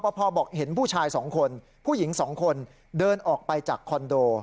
เพราะพอบอกเห็นผู้ชาย๒คนผู้หญิง๒คนเดินออกไปจากคอนโด